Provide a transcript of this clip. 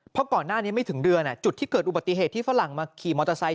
เพราะก่อนหน้านี้ไม่ถึงเดือนจุดที่เกิดอุบัติเหตุที่ฝรั่งมาขี่มอเตอร์ไซค